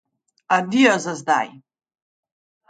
Adijo za zdaj!